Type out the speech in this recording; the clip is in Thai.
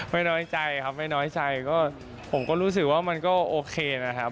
น้อยใจครับไม่น้อยใจก็ผมก็รู้สึกว่ามันก็โอเคนะครับ